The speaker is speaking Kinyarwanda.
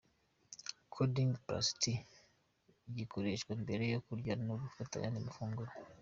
Kuding plus tea gikoreshwa mbere yo Kurya no gufata ayandi mafunguro.